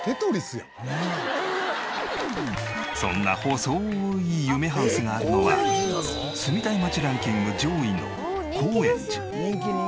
そんな細い夢ハウスがあるのは住みたい街ランキング上位の高円寺。